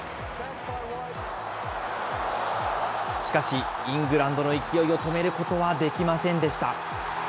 しかし、イングランドの勢いを止めることはできませんでした。